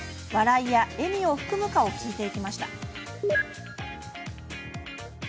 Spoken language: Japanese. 笑いや笑みを含むかを聞いていきました。